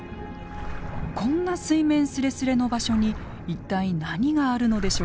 こんな水面すれすれの場所に一体何があるのでしょうか？